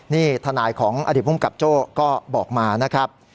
นี่ทนายของอดีตภูมิกับโจ้ก็บอกมานะครับ